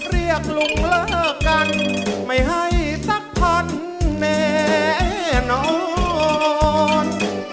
เรียกลุงเลิกกันไม่ให้สักพันแน่นอน